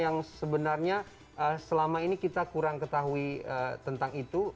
yang sebenarnya selama ini kita kurang ketahui tentang itu